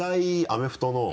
アメフトの。